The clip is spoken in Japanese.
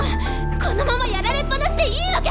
このままやられっぱなしでいいわけ！？